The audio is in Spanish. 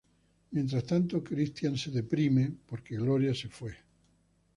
Mientras tanto Christian cae en depresión porque Gloria se fue.